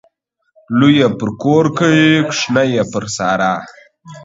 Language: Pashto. لوى يې پر کور کوي ، کوچنى يې پر سارا.